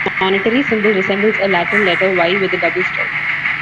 This monetary symbol resembles a Latin letter Y with a double stroke.